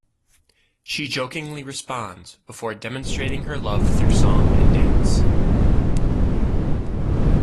She jokingly responds, before demonstrating her love through song and dance.